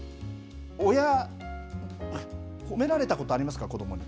親、褒められたことありますか、子どもに。